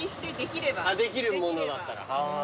できるものだったらあぁ。